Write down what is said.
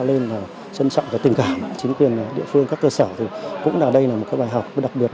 nên trân trọng cái tình cảm chính quyền địa phương các cơ sở cũng là đây là một cái bài học đặc biệt